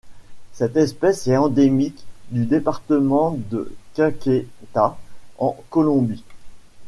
Cette espèce est endémique du département de Caquetá en Colombie.